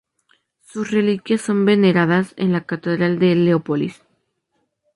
Sus reliquias son veneradas en la Catedral de Leópolis.